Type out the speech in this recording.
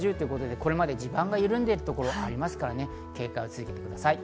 これまで地盤が緩んでいるところがありますから警戒を続けてください。